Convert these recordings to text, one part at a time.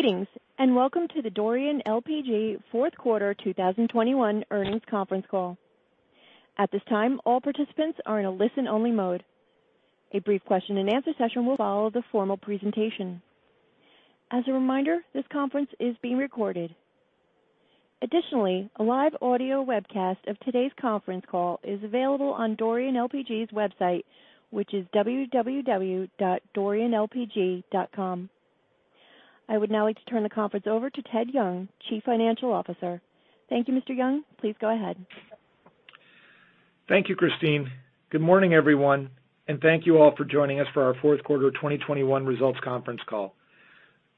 Greetings, and welcome to the Dorian LPG fourth quarter 2021 earnings conference call. At this time, all participants are in a listen-only mode. A brief question and answer session will follow the formal presentation. As a reminder, this conference is being recorded. Additionally, a live audio webcast of today's conference call is available on Dorian LPG's website, which is www.dorianlpg.com. I would now like to turn the conference over to Ted Young, Chief Financial Officer. Thank you, Mr. Young. Please go ahead. Thank you, Christine. Good morning, everyone, and thank you all for joining us for our fourth quarter 2021 results conference call.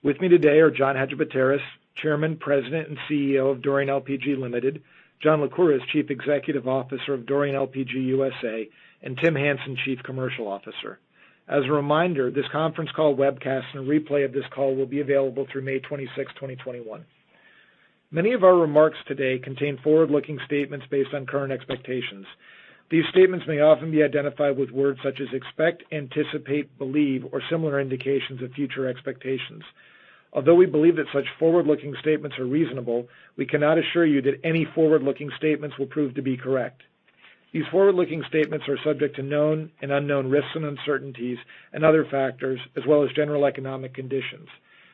With me today are John Hadjipateras, Chairman, President, and CEO of Dorian LPG Limited; John Lycouris, Chief Executive Officer of Dorian LPG USA; and Tim Hansen, Chief Commercial Officer. As a reminder, this conference call webcast and replay of this call will be available through May 26, 2021. Many of our remarks today contain forward-looking statements based on current expectations. These statements may often be identified with words such as "expect," "anticipate," "believe," or similar indications of future expectations. Although we believe that such forward-looking statements are reasonable, we cannot assure you that any forward-looking statements will prove to be correct. These forward-looking statements are subject to known and unknown risks and uncertainties and other factors, as well as general economic conditions.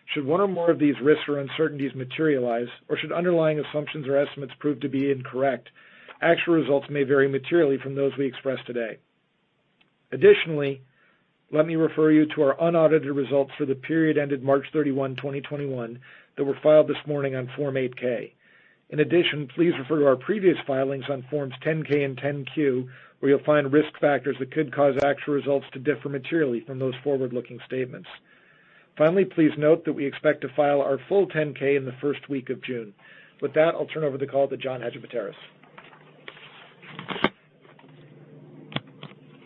Should one or more of these risks or uncertainties materialize, or should underlying assumptions or estimates prove to be incorrect, actual results may vary materially from those we express today. Additionally, let me refer you to our unaudited results for the period ended March 31, 2021, that were filed this morning on Form 8-K. In addition, please refer to our previous filings on Forms 10-K and 10-Q, where you'll find risk factors that could cause actual results to differ materially from those forward-looking statements. Finally, please note that we expect to file our full 10-K in the first week of June. With that, I'll turn over the call to John Hadjipateras.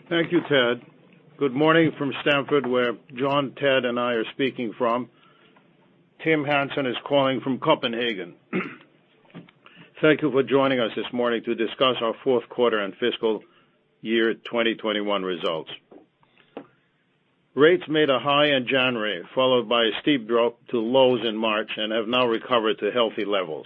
Thank you, Ted. Good morning from Stamford, where John, Ted, and I are speaking from. Tim Hansen is calling from Copenhagen. Thank you for joining us this morning to discuss our fourth quarter and fiscal year 2021 results. Rates made a high in January, followed by a steep drop to lows in March and have now recovered to healthy levels.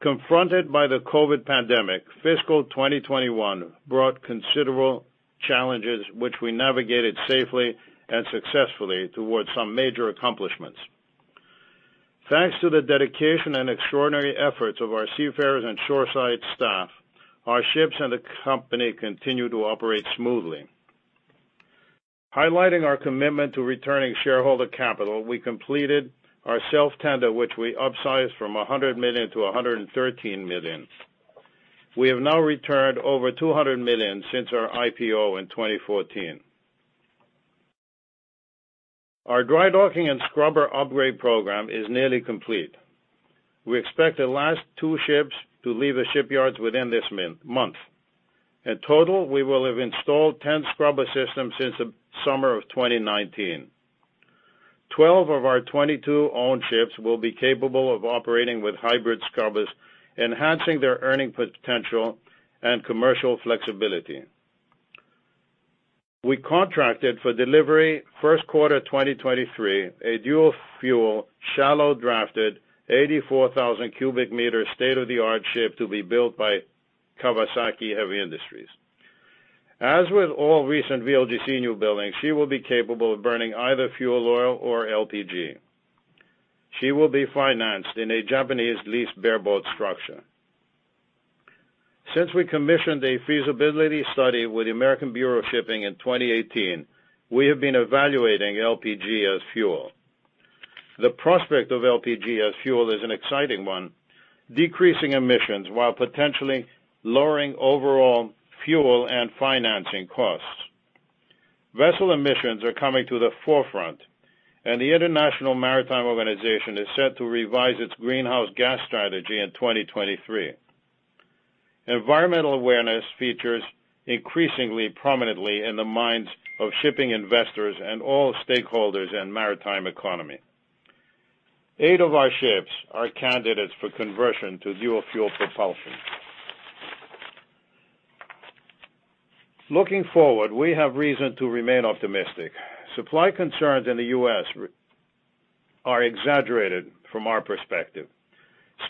Confronted by the COVID pandemic, fiscal 2021 brought considerable challenges, which we navigated safely and successfully towards some major accomplishments. Thanks to the dedication and extraordinary efforts of our seafarers and shoreside staff, our ships and the company continue to operate smoothly. Highlighting our commitment to returning shareholder capital, we completed our self-tender, which we upsized from $100 million to $113 million. We have now returned over $200 million since our IPO in 2014. Our dry docking and scrubber upgrade program is nearly complete. We expect the last two ships to leave the shipyards within this month. In total, we will have installed 10 scrubber systems since the summer of 2019. 12 of our 22 owned ships will be capable of operating with hybrid scrubbers, enhancing their earning potential and commercial flexibility. We contracted for delivery first quarter 2023, a dual-fuel, shallow drafted, 84,000 m³ state-of-the-art ship to be built by Kawasaki Heavy Industries. As with all recent VLGC new buildings, she will be capable of burning either fuel oil or LPG. She will be financed in a Japanese lease bareboat structure. Since we commissioned a feasibility study with the American Bureau of Shipping in 2018, we have been evaluating LPG as fuel. The prospect of LPG as fuel is an exciting one, decreasing emissions while potentially lowering overall fuel and financing costs. Vessel emissions are coming to the forefront. The International Maritime Organization is set to revise its greenhouse gas strategy in 2023. Environmental awareness features increasingly prominently in the minds of shipping investors and all stakeholders in the maritime economy. Eight of our ships are candidates for conversion to dual-fuel propulsion. Looking forward, we have reason to remain optimistic. Supply concerns in the U.S. are exaggerated from our perspective.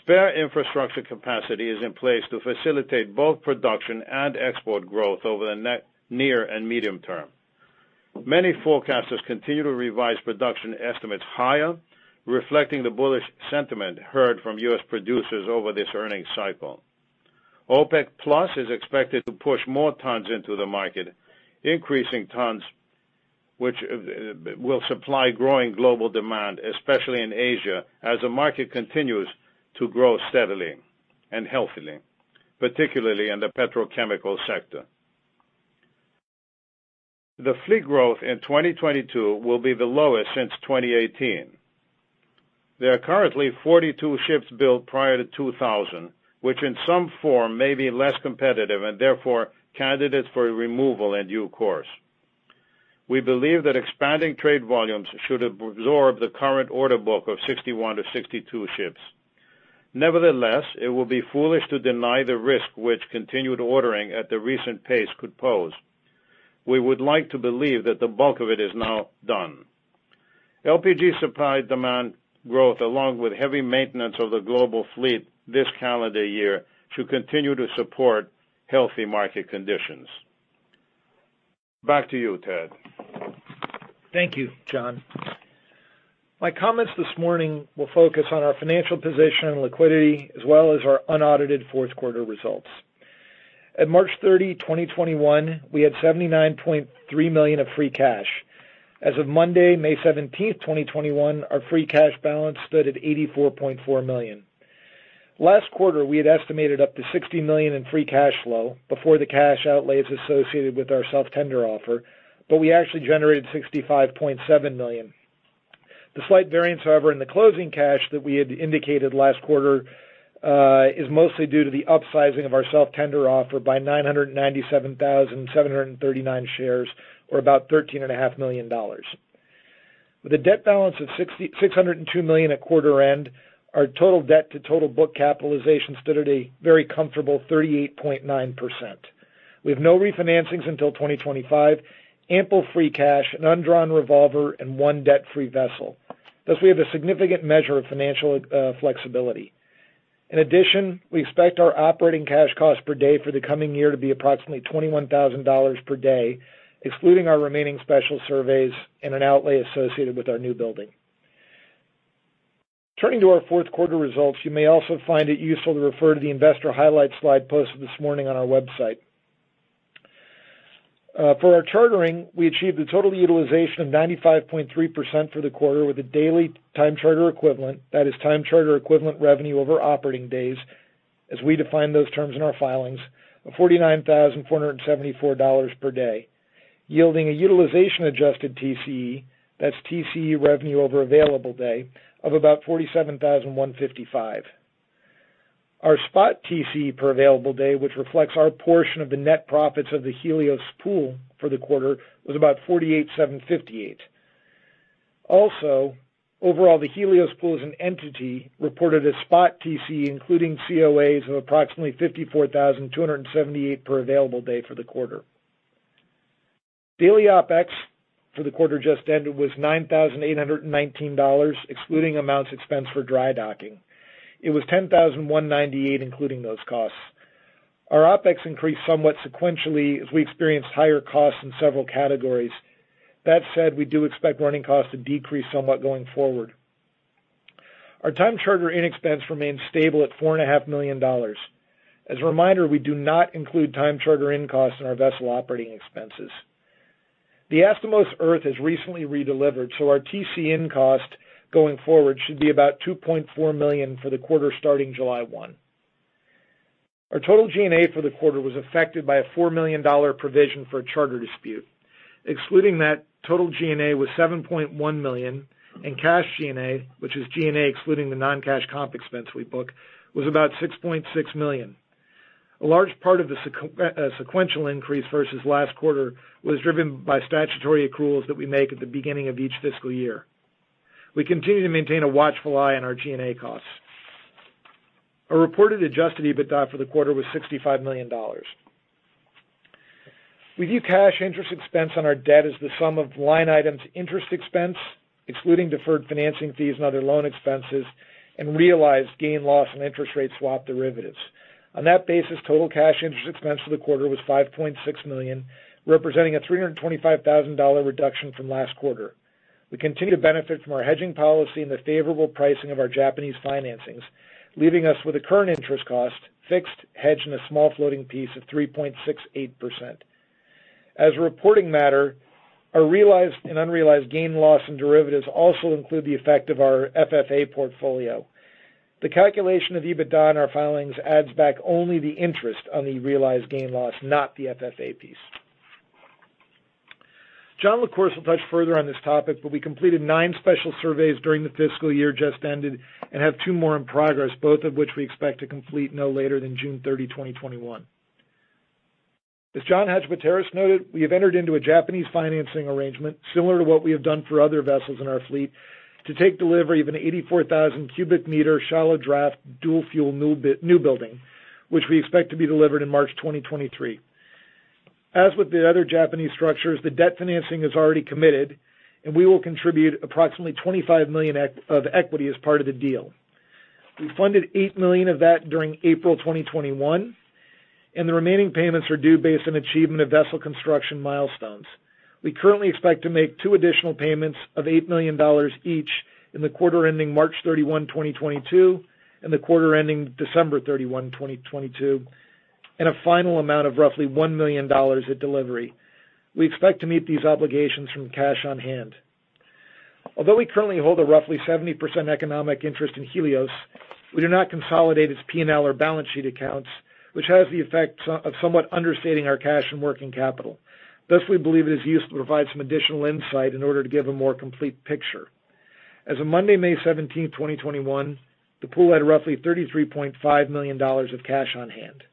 Spare infrastructure capacity is in place to facilitate both production and export growth over the near and medium term. Many forecasters continue to revise production estimates higher, reflecting the bullish sentiment heard from U.S. producers over this earnings cycle. OPEC+ is expected to push more tons into the market, increasing tons which will supply growing global demand, especially in Asia, as the market continues to grow steadily and healthily, particularly in the petrochemical sector. The fleet growth in 2022 will be the lowest since 2018. There are currently 42 ships built prior to 2000, which in some form may be less competitive and therefore candidate for removal in due course. We believe that expanding trade volumes should absorb the current order book of 61-62 ships. Nevertheless, it would be foolish to deny the risk which continued ordering at the recent pace could pose. We would like to believe that the bulk of it is now done. LPG supply-demand growth, along with heavy maintenance of the global fleet this calendar year, should continue to support healthy market conditions. Back to you, Ted. Thank you, John. My comments this morning will focus on our financial position and liquidity, as well as our unaudited fourth quarter results. At March 30, 2021, we had $79.3 million of free cash. As of Monday, May 17th, 2021, our free cash balance stood at $84.4 million. Last quarter, we had estimated up to $60 million in free cash flow before the cash outlays associated with our self-tender offer, but we actually generated $65.7 million. The slight variance, however, in the closing cash that we had indicated last quarter is mostly due to the upsizing of our self-tender offer by 997,739 shares, or about $13.5 million. With a debt balance of $602 million at quarter end, our total debt to total book capitalization stood at a very comfortable 38.9%. We have no refinancings until 2025, ample free cash, an undrawn revolver, and one debt-free vessel. Thus, we have a significant measure of financial flexibility. In addition, we expect our operating cash cost per day for the coming year to be approximately $21,000 per day, excluding our remaining special surveys and an outlay associated with our new building. Turning to our fourth quarter results, you may also find it useful to refer to the investor highlights slide posted this morning on our website. For our chartering, we achieved a total utilization of 95.3% for the quarter with a daily time charter equivalent, that is time charter equivalent revenue over operating days, as we define those terms in our filings, of $49,474 per day, yielding a utilization-adjusted TCE, that's TCE revenue over available day, of about $47,155. Our spot TCE per available day, which reflects our portion of the net profits of the Helios pool for the quarter, was about $48,758. Overall, the Helios pool as an entity reported a spot TCE, including COAs, of approximately $54,278 per available day for the quarter. Daily OpEx for the quarter just ended was $9,819, excluding amounts expensed for dry docking. It was $10,198 including those costs. Our OpEx increased somewhat sequentially as we experienced higher costs in several categories. That said, we do expect running costs to decrease somewhat going forward. Our time charter-in expense remains stable at $4.5 million. As a reminder, we do not include time charter-in costs in our vessel operating expenses. The Astomos Earth has recently redelivered, so our TCI cost going forward should be about $2.4 million for the quarter starting July 1. Our total G&A for the quarter was affected by a $4 million provision for a charter dispute. Excluding that, total G&A was $7.1 million, and cash G&A, which is G&A excluding the non-cash comp expense we book, was about $6.6 million. A large part of the sequential increase versus last quarter was driven by statutory accruals that we make at the beginning of each fiscal year. We continue to maintain a watchful eye on our G&A costs. Our reported adjusted EBITDA for the quarter was $65 million. We view cash interest expense on our debt as the sum of line items interest expense, excluding deferred financing fees and other loan expenses, and realized gain/loss and interest rate swap derivatives. On that basis, total cash interest expense for the quarter was $5.6 million, representing a $325,000 reduction from last quarter. We continue to benefit from our hedging policy and the favorable pricing of our Japanese financings, leaving us with a current interest cost, fixed hedge, and a small floating piece of 3.68%. As a reporting matter, our realized and unrealized gain/loss and derivatives also include the effect of our FFA portfolio. The calculation of EBITDA in our filings adds back only the interest on the realized gain/loss, not the FFA piece. John will, of course, touch further on this topic, but we completed nine special surveys during the fiscal year just ended and have two more in progress, both of which we expect to complete no later than June 30, 2021. As John Hadjipateras noted, we have entered into a Japanese financing arrangement similar to what we have done for other vessels in our fleet to take delivery of an 84,000 m³ shallow draft dual fuel new building, which we expect to be delivered in March 2023. As with the other Japanese structures, the debt financing is already committed, and we will contribute approximately $25 million of equity as part of the deal. We funded $8 million of that during April 2021, and the remaining payments are due based on achievement of vessel construction milestones. We currently expect to make two additional payments of $8 million each in the quarter ending March 31, 2022, and the quarter ending December 31, 2022, and a final amount of roughly $1 million at delivery. We expect to meet these obligations from cash on hand. Although we currently hold a roughly 70% economic interest in Helios, we do not consolidate its P&L or balance sheet accounts, which has the effect of somewhat understating our cash and working capital. Thus, we believe it is useful to provide some additional insight in order to give a more complete picture. As of Monday, May 17, 2021, the pool had roughly $33.5 million of cash on hand.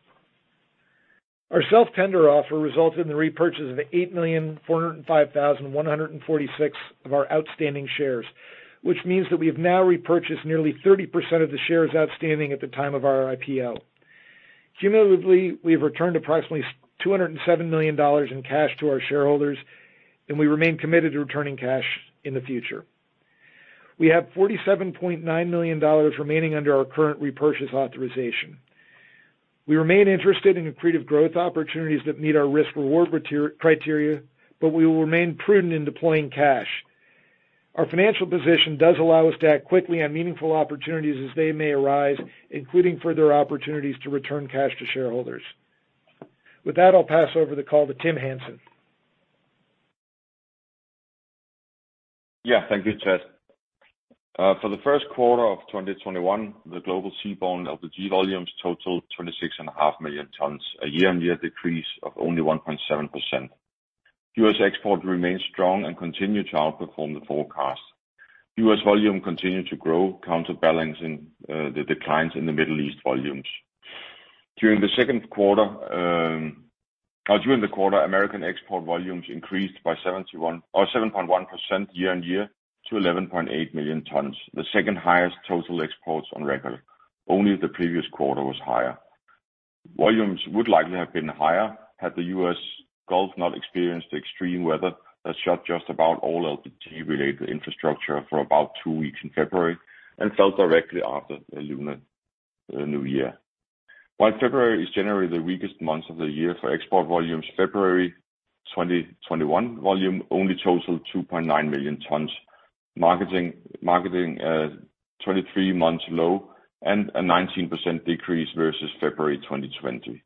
Our self-tender offer resulted in the repurchase of 8,405,146 of our outstanding shares, which means that we have now repurchased nearly 30% of the shares outstanding at the time of our IPO. Cumulatively, we have returned approximately $207 million in cash to our shareholders, and we remain committed to returning cash in the future. We have $47.9 million remaining under our current repurchase authorization. We remain interested in accretive growth opportunities that meet our risk-reward criteria, but we will remain prudent in deploying cash. Our financial position does allow us to act quickly on meaningful opportunities as they may arise, including further opportunities to return cash to shareholders. With that, I'll pass over the call to Tim Hansen. Yeah. Thank you, Ted. For the first quarter of 2021, the global seaborne LPG volumes totaled 26.5 million tons, a year-on-year decrease of only 1.7%. U.S. export remains strong and continue to outperform the forecast. U.S. volume continued to grow, counterbalancing the declines in the Middle East volumes. During the quarter, American export volumes increased by 7.1% year-on-year to 11.8 million tons, the second highest total exports on record. Only the previous quarter was higher. Volumes would likely have been higher had the U.S. Gulf not experienced the extreme weather that shut just about all LPG-related infrastructure for about two weeks in February and fell directly after the Lunar New Year. While February is generally the weakest month of the year for export volumes, February 2021 volume only totaled 2.9 million tons, marking a 23-month low and a 19% decrease versus February 2020.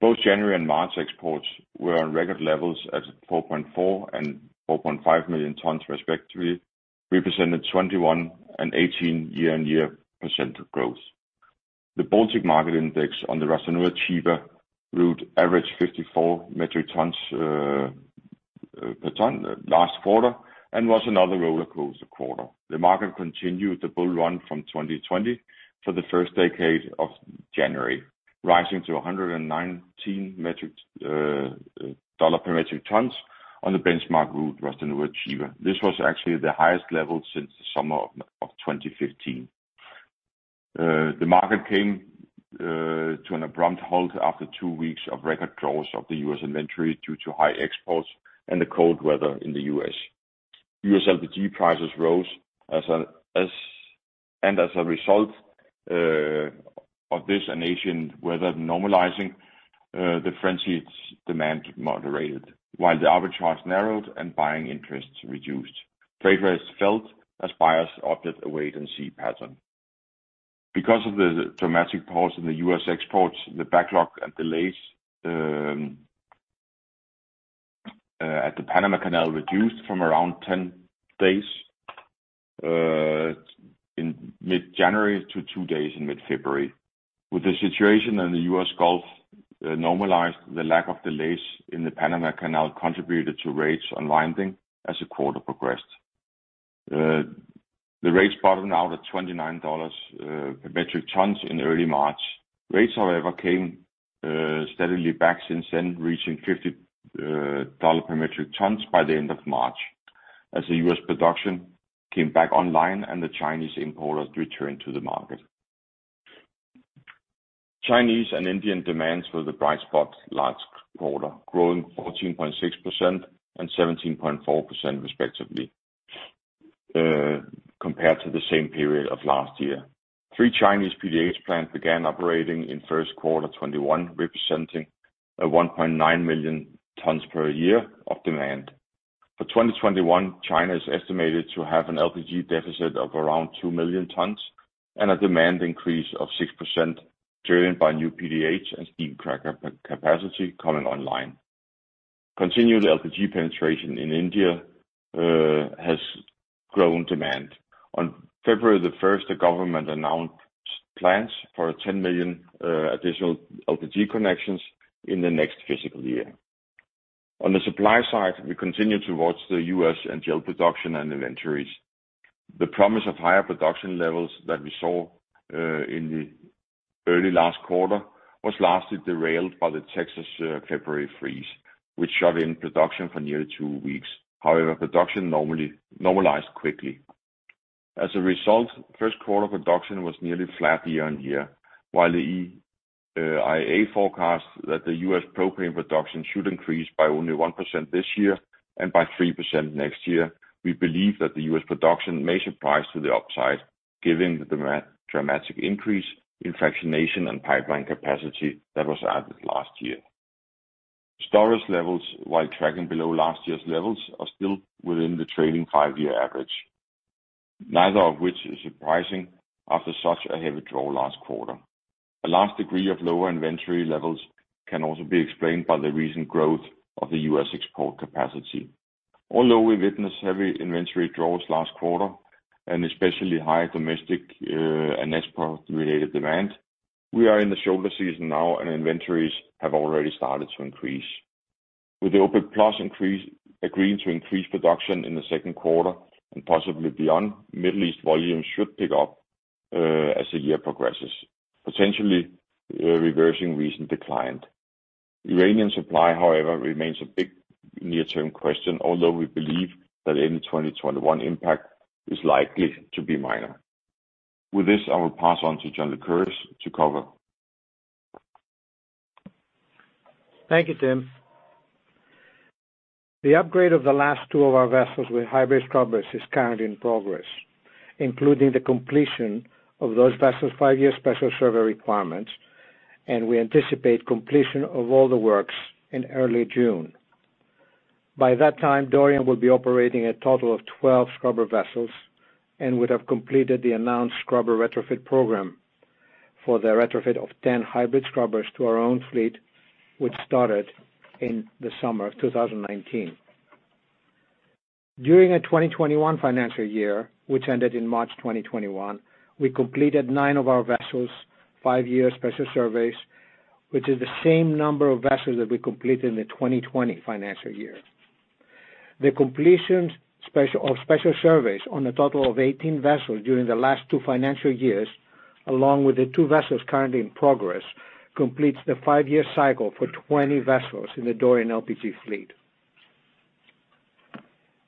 Both January and March exports were on record levels at 4.4 million and 4.5 million tons respectively, represented 21% and 18% year-on-year percent of growth. The Baltic Market Index on the Ras Tanura-Chiba route averaged $54 per metric ton last quarter and was another roller coaster quarter. The market continued the bull run from 2020 for the first decade of January, rising to $119 per metric tons on the benchmark route Ras Tanura-Chiba. This was actually the highest level since the summer of 2015. The market came to an abrupt halt after two weeks of record draws of the U.S. inventory due to high exports and the cold weather in the U.S. U.S. LPG prices rose, and as a result of this and Asian weather normalizing, fresh demand moderated, while the arbitrage narrowed and buying interest reduced. Trade rates fell as buyers opted a wait-and-see pattern. Because of the dramatic pause in the U.S. exports, the backlog and delays at the Panama Canal reduced from around 10 days in mid-January to two days in mid-February. With the situation in the U.S. Gulf normalized, the lack of delays in the Panama Canal contributed to rates unwinding as the quarter progressed. The rates bottomed out at $29 per metric tons in early March. Rates, however, came steadily back since then, reaching $50 per metric tons by the end of March as the U.S. production came back online, and the Chinese importers returned to the market. Chinese and Indian demands were the bright spots last quarter, growing 14.6% and 17.4% respectively compared to the same period of last year. Three Chinese PDH plants began operating in first quarter 2021, representing a 1.9 million tons per year of demand. For 2021, China is estimated to have an LPG deficit of around 2 million tons and a demand increase of 6% driven by new PDH and steam cracker capacity coming online. Continued LPG penetration in India has grown demand. On February 1st, the government announced plans for 10 million additional LPG connections in the next fiscal year. On the supply side, we continue to watch the U.S. NGL production and inventories. The promise of higher production levels that we saw in the early last quarter was lastly derailed by the Texas February freeze, which shut in production for nearly two weeks. Production normalized quickly. First quarter production was nearly flat year-on-year. While the EIA forecasts that the U.S. propane production should increase by only 1% this year and by 3% next year, we believe that the U.S. production may surprise to the upside given the dramatic increase in fractionation and pipeline capacity that was added last year. Storage levels, while tracking below last year's levels, are still within the trailing five-year average, neither of which is surprising after such a heavy draw last quarter. A large degree of lower inventory levels can also be explained by the recent growth of the U.S. export capacity. Although we witnessed heavy inventory draws last quarter, and especially high domestic and export-related demand, we are in the shoulder season now, and inventories have already started to increase. With the OPEC+ agreeing to increase production in the second quarter and possibly beyond, Middle East volumes should pick up as the year progresses, potentially reversing recent decline. Iranian supply, however, remains a big near-term question, although we believe that any 2021 impact is likely to be minor. With this, I will pass on to John Lycouris to cover. Thank you, Tim. The upgrade of the last two of our vessels with hybrid scrubbers is currently in progress, including the completion of those vessels' five-year special survey requirements, and we anticipate completion of all the works in early June. By that time, Dorian will be operating a total of 12 scrubber vessels and would have completed the announced scrubber retrofit program for the retrofit of 10 hybrid scrubbers to our own fleet, which started in the summer of 2019. During the 2021 financial year, which ended in March 2021, we completed nine of our vessels' five-year special surveys, which is the same number of vessels that we completed in the 2020 financial year. The completion of special surveys on a total of 18 vessels during the last two financial years, along with the two vessels currently in progress, completes the five-year cycle for 20 vessels in the Dorian LPG fleet.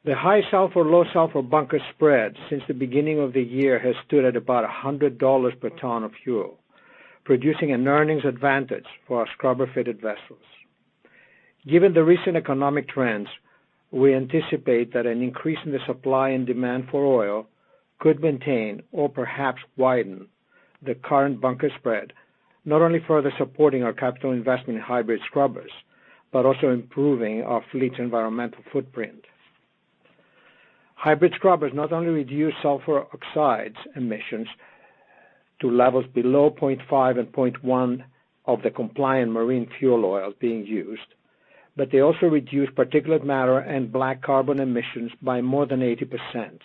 The high sulfur, low sulfur bunker spread since the beginning of the year has stood at about $100 per ton of fuel, producing an earnings advantage for our scrubber-fitted vessels. Given the recent economic trends, we anticipate that an increase in the supply and demand for oil could maintain or perhaps widen the current bunker spread, not only further supporting our capital investment in hybrid scrubbers but also improving our fleet's environmental footprint. Hybrid scrubbers not only reduce sulfur oxides emissions to levels below 0.5 and 0.1 of the compliant marine fuel oil being used, they also reduce particulate matter and black carbon emissions by more than 80%,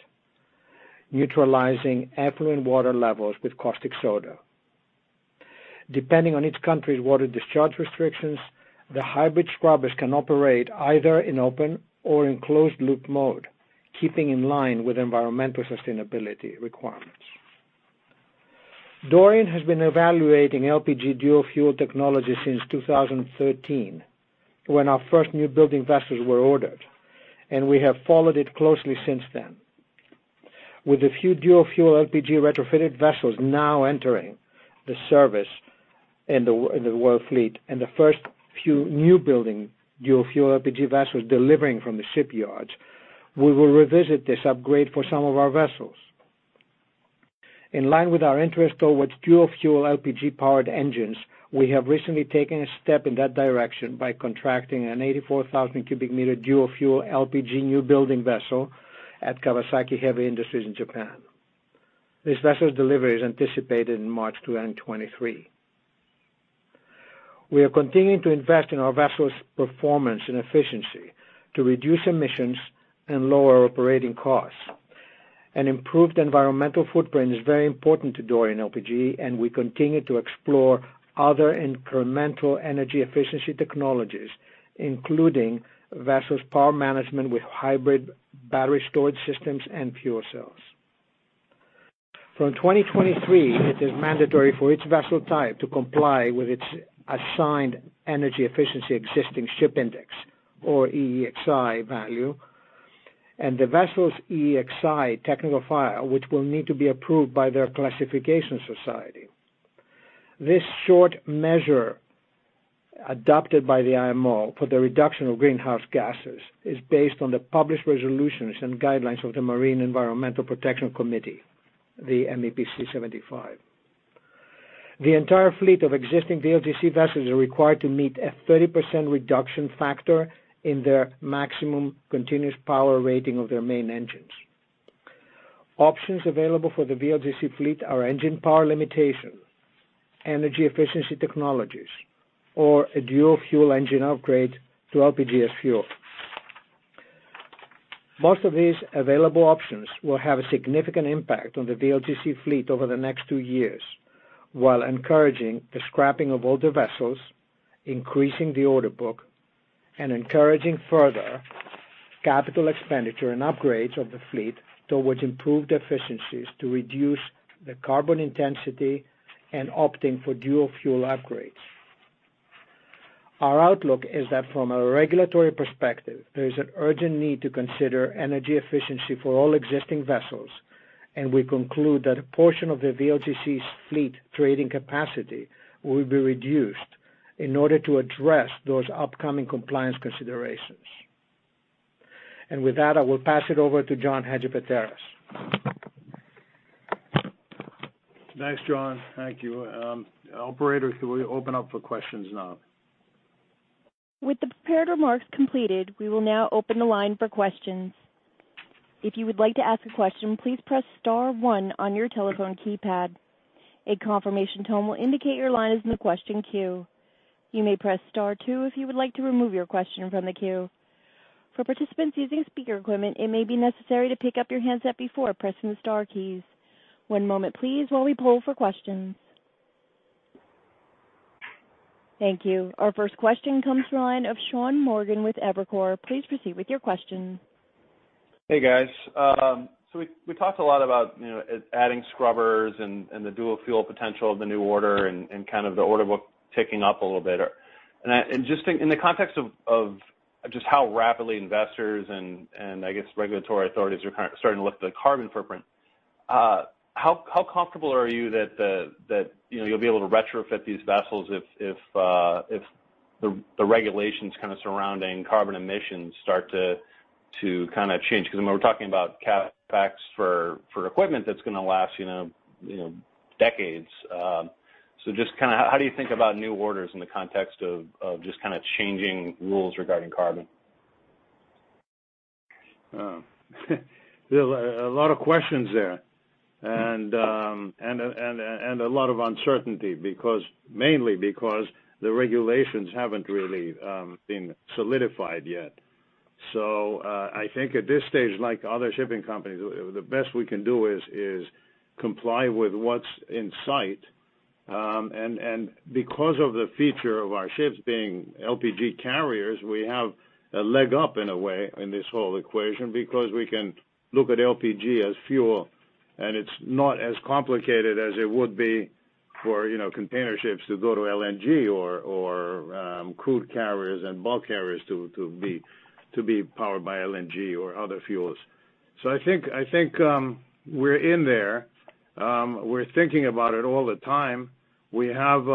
neutralizing effluent water levels with caustic soda. Depending on each country's water discharge restrictions, the hybrid scrubbers can operate either in open or in closed-loop mode, keeping in line with environmental sustainability requirements. Dorian has been evaluating LPG dual-fuel technology since 2013, when our first newbuild investment vessels were ordered, and we have followed it closely since then. With a few dual-fuel LPG retrofitted vessels now entering the service in the world fleet and the first few newbuilding dual-fuel LPG vessels delivering from the shipyards, we will revisit this upgrade for some of our vessels. In line with our interest towards dual-fuel LPG-powered engines, we have recently taken a step in that direction by contracting an 84,000 m³ dual-fuel LPG newbuilding vessel at Kawasaki Heavy Industries in Japan. This vessel's delivery is anticipated in March 2023. We are continuing to invest in our vessels' performance and efficiency to reduce emissions and lower operating costs. An improved environmental footprint is very important to Dorian LPG, and we continue to explore other incremental energy efficiency technologies, including vessels' power management with hybrid battery storage systems and fuel cells. From 2023, it is mandatory for each vessel type to comply with its assigned Energy Efficiency Existing Ship Index, or EEXI, value, and the vessel's EEXI technical file, which will need to be approved by their classification society. This short measure adopted by the IMO for the reduction of greenhouse gases is based on the published resolutions and guidelines of the Marine Environment Protection Committee, the MEPC 75. The entire fleet of existing VLGC vessels are required to meet a 30% reduction factor in their maximum continuous power rating of their main engines. Options available for the VLGC fleet are engine power limitation, energy efficiency technologies, or a dual-fuel engine upgrade to LPG as fuel. Most of these available options will have a significant impact on the VLGC fleet over the next two years, while encouraging the scrapping of older vessels, increasing the order book, and encouraging further capital expenditure and upgrades of the fleet towards improved efficiencies to reduce the carbon intensity and opting for dual-fuel upgrades. Our outlook is that from a regulatory perspective, there is an urgent need to consider energy efficiency for all existing vessels, and we conclude that a portion of the VLGC's fleet trading capacity will be reduced in order to address those upcoming compliance considerations. With that, I will pass it over to John Hadjipateras. Thanks, John. Thank you. Operator, can we open up for questions now? With the prepared remarks completed, we will now open the line for questions. If you would like to ask a question, please press star one on your telephone keypad. A confirmation tone will indicate your line is in the question queue. You may press star two if you would like to remove your question from the queue. For participants using speaker equipment, it may be necessary to pick up your handset before pressing the star keys. One moment please while we poll for questions. Thank you. Our first question comes from the line of Sean Morgan with Evercore. Please proceed with your question. Hey, guys. We talked a lot about adding scrubbers and the dual fuel potential of the new order and kind of the order book ticking up a little bit. Just in the context of just how rapidly investors and I guess regulatory authorities are kind of starting to look at the carbon footprint, how comfortable are you that you'll be able to retrofit these vessels if the regulations kind of surrounding carbon emissions start to kind of change? When we're talking about CapEx for equipment, that's going to last decades. Just how do you think about new orders in the context of just kind of changing rules regarding carbon? There are a lot of questions there, and a lot of uncertainty, mainly because the regulations haven't really been solidified yet. I think at this stage, like other shipping companies, the best we can do is comply with what's in sight. Because of the feature of our ships being LPG carriers, we have a leg up in a way in this whole equation because we can look at LPG as fuel, and it's not as complicated as it would be for container ships to go to LNG or crude carriers and bulk carriers to be powered by LNG or other fuels. I think we're in there. We're thinking about it all the time. We have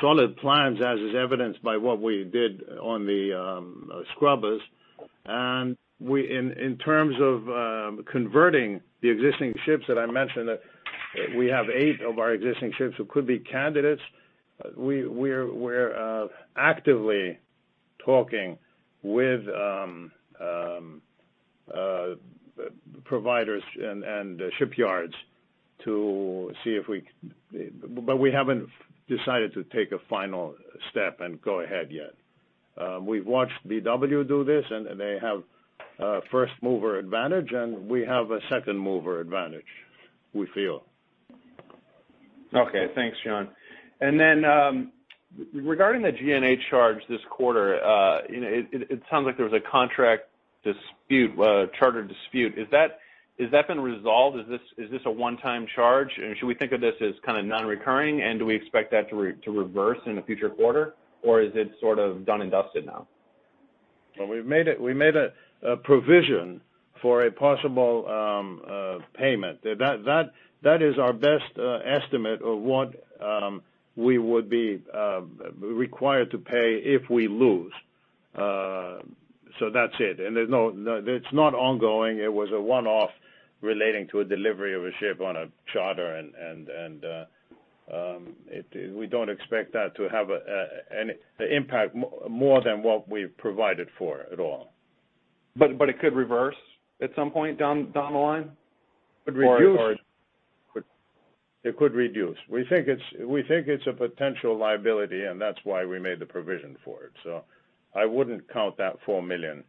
solid plans, as is evidenced by what we did on the scrubbers. In terms of converting the existing ships that I mentioned, we have eight of our existing ships who could be candidates. We're actively talking with providers and shipyards. We haven't decided to take a final step and go ahead yet. We've watched BW do this, and they have first-mover advantage, and we have a second-mover advantage, we feel. Okay. Thanks, John. Regarding the G&A charge this quarter, it sounds like there was a contract dispute, a charter dispute. Has that been resolved? Is this a one-time charge? Should we think of this as kind of non-recurring, and do we expect that to reverse in a future quarter, or is it sort of done and dusted now? Well, we made a provision for a possible payment. That is our best estimate of what we would be required to pay if we lose. That's it. It's not ongoing. It was a one-off relating to a delivery of a ship on a charter, and we don't expect that to have an impact more than what we've provided for at all. It could reverse at some point down the line? It could reduce. We think it's a potential liability, and that's why we made the provision for it. I wouldn't count that $4 million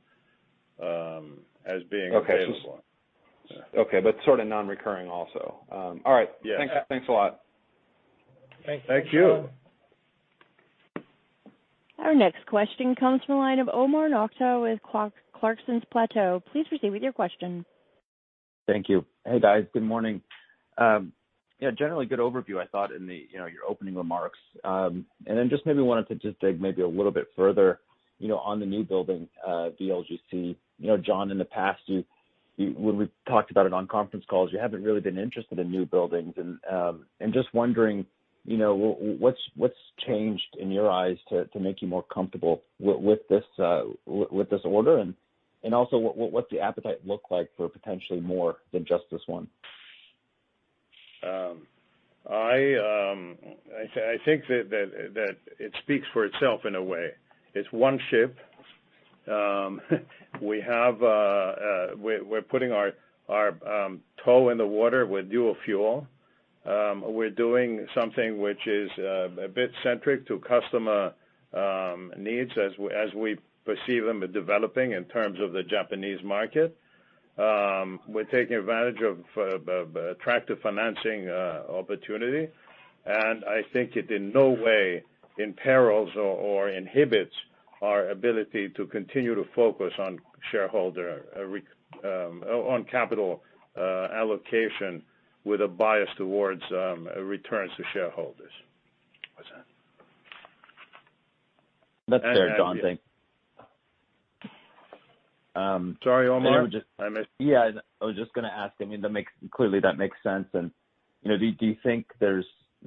as being available. Okay, sort of non-recurring also. All right. Yeah. Thanks a lot. Thank you. Our next question comes from the line of Omar Nokta with Clarksons Platou. Please proceed with your question. Thank you. Hey, guys. Good morning. Yeah, generally a good overview, I thought, in your opening remarks. Then just maybe wanted to just dig maybe a little bit further on the new building, VLGC. John, in the past, when we've talked about it on conference calls, you haven't really been interested in new buildings. Just wondering what's changed in your eyes to make you more comfortable with this order? Also, what's the appetite look like for potentially more than just this one? I think that it speaks for itself in a way. It's one ship. We're putting our toe in the water with dual fuel. We're doing something which is a bit centric to customer needs as we perceive them developing in terms of the Japanese market. We're taking advantage of attractive financing opportunity. I think it in no way imperils or inhibits our ability to continue to focus on capital allocation with a bias towards returns to shareholders. What's that? That's fair, John, I think. Sorry, Omar? Yeah. I was just going to ask. Clearly that makes sense.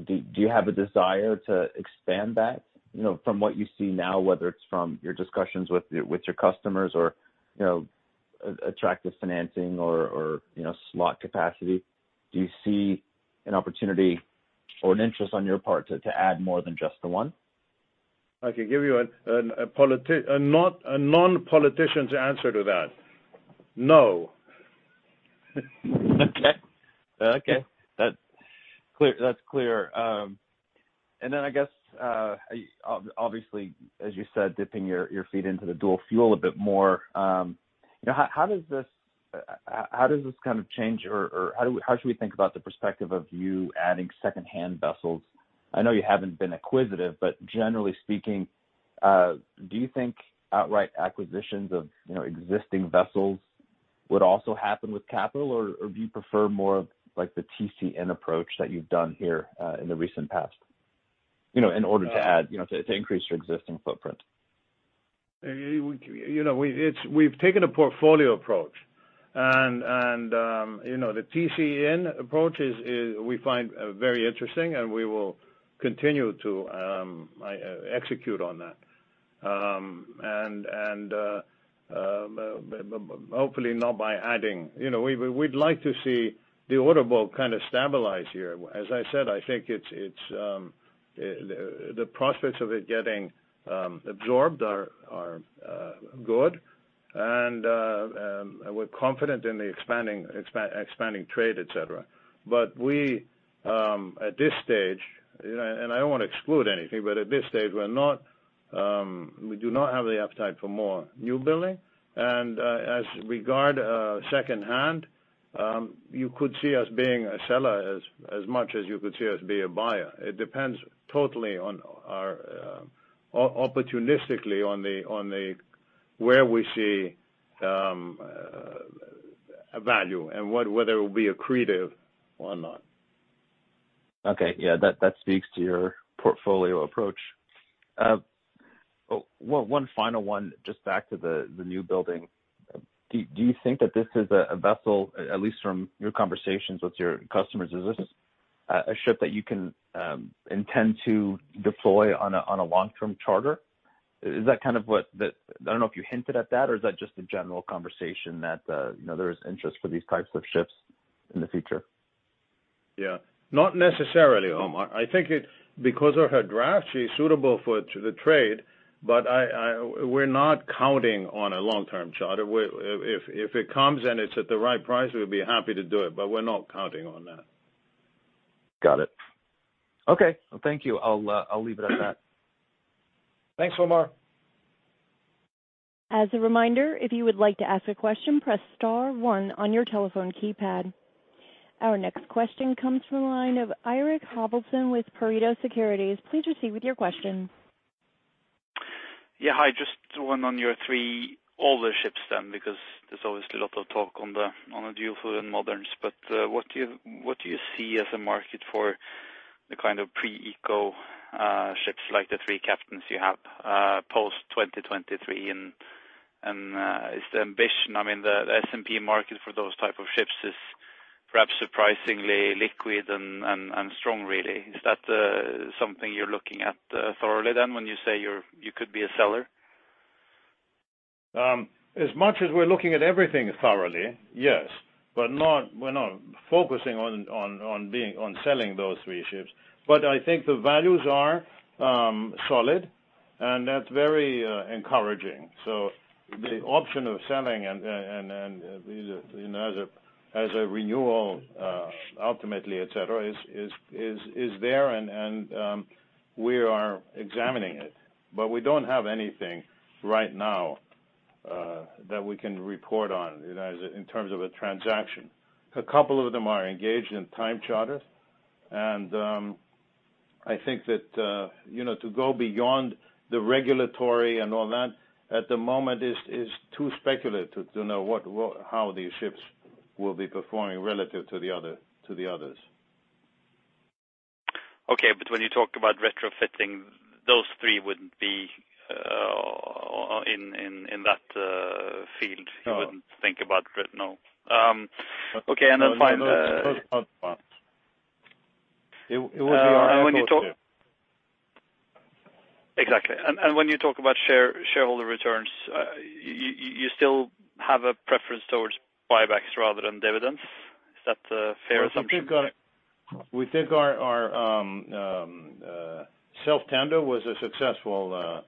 Do you have a desire to expand that? From what you see now, whether it's from your discussions with your customers or attractive financing or slot capacity, do you see an opportunity or an interest on your part to add more than just the one? I can give you a non-politician's answer to that. No. Okay. That's clear. I guess, obviously, as you said, dipping your feet into the dual fuel a bit more. How should we think about the perspective of you adding secondhand vessels? I know you haven't been acquisitive, but generally speaking, do you think outright acquisitions of existing vessels would also happen with capital, or do you prefer more of the TC-in approach that you've done here in the recent past in order to increase your existing footprint? We've taken a portfolio approach and the TC-in approaches we find very interesting, and we will continue to execute on that. Hopefully not by adding. We'd like to see the order book kind of stabilize here. As I said, I think the prospects of it getting absorbed are good, and we're confident in the expanding trade, et cetera. At this stage, and I won't exclude anything, but at this stage, we do not have the appetite for more new building. As regard secondhand, you could see us being a seller as much as you could see us be a buyer. It depends totally on opportunistically on where we see value and whether it will be accretive or not. Okay. Yeah, that speaks to your portfolio approach. One final one, just back to the new building. Do you think that this is a vessel, at least from your conversations with your customers, is this a ship that you can intend to deploy on a long-term charter? I don't know if you hinted at that, or is that just a general conversation that there is interest for these types of ships in the future? Yeah, not necessarily, Omar. I think because they're gradually suitable for the trade, but we're not counting on a long-term charter. If it comes and it's at the right price, we'd be happy to do it, but we're not counting on that. Got it. Okay. Thank you. I will leave it at that. Thanks, Omar. As a reminder, if you would like to ask a question, press star one on your telephone keypad. Our next question comes from the line of Eirik Haavaldsen with Pareto Securities. Please proceed with your question. Yeah. Hi, just one on your three older ships then, because there's obviously a lot of talk on the new build and moderns, but what do you see as a market for the kind of pre-eco ships like the three Captains you have post 2023, and is the ambition, I mean, the S&P market for those type of ships is perhaps surprisingly liquid and strong really. Is that something you're looking at thoroughly then when you say you could be a seller? As much as we're looking at everything thoroughly, yes, but we're not focusing on selling those three ships. I think the values are solid, and that's very encouraging. The option of selling and as a renewal, ultimately, et cetera, is there and we are examining it, but we don't have anything right now that we can report on in terms of a transaction. A couple of them are engaged in time charter, and I think that to go beyond the regulatory and all that, at the moment, it's too speculative to know how these ships will be performing relative to the others. Okay. When you talk about retrofitting, those three wouldn't be in that field. No. You wouldn't think about it right now. Okay. It was the other part. It was the other part, yeah. Exactly. When you talk about shareholder returns, you still have a preference towards buybacks rather than dividends. Is that a fair assumption? We think our self-tender was a successful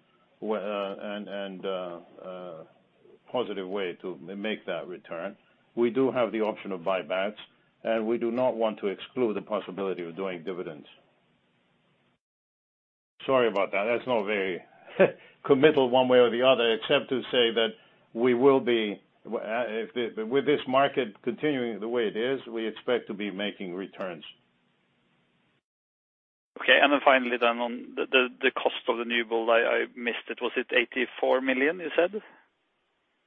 and positive way to make that return. We do have the option of buybacks, and we do not want to exclude the possibility of doing dividends. Sorry about that. That's not very committal one way or the other, except to say that with this market continuing the way it is, we expect to be making returns. Okay. Finally on the cost of the new build, I missed it. Was it $84 million, you said?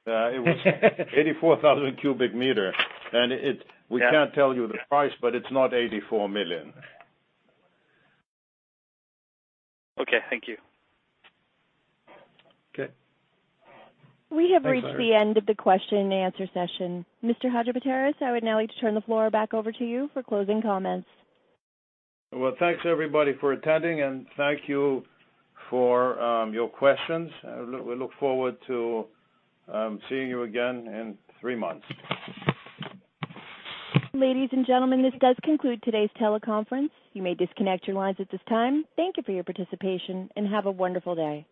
It was 84,000 m³, and we can't tell you the price, but it's not $84 million. Okay, thank you. Okay. We have reached the end of the question and answer session. Mr. Hadjipateras, I would now like to turn the floor back over to you for closing comments. Well, thanks everybody for attending, and thank you for your questions. We look forward to seeing you again in three months. Ladies and gentlemen, this does conclude today's teleconference. You may disconnect your lines at this time. Thank you for your participation, and have a wonderful day.